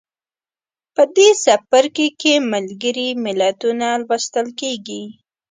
په دې څپرکي کې ملګري ملتونه لوستل کیږي.